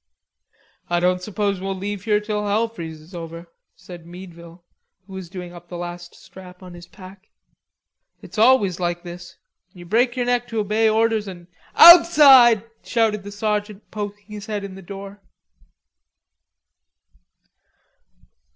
"I don't suppose we'll leave here till hell freezes over," said Meadville, who was doing up the last strap on his pack. "It's always like this.... You break your neck to obey orders an'..." "Outside!" shouted the sergeant, poking his head in the door.